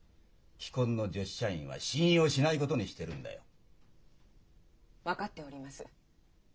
既婚の女子社員は信用しないことにしてるんだよ。分かっております。